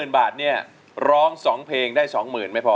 ๐บาทเนี่ยร้อง๒เพลงได้๒๐๐๐ไม่พอ